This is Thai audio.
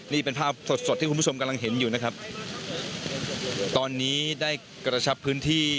นี่เป็นภาพสดสดที่คุณผู้ชมกำลังเห็นอยู่นะครับตอนนี้ได้กระชับพื้นที่